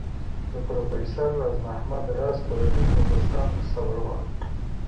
د پروفیسر راز محمد راز کورنۍ او دوستانو ته صبر غواړم.